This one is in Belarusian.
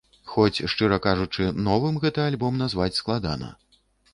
Хоць, шчыра кажучы, новым гэты альбом назваць складана.